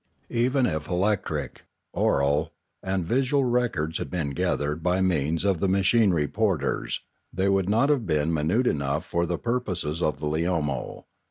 Even if electric, aural, and visual records had been gathered by means of the machine reporters, they would not have been minute enough for the purposes of the Leomo.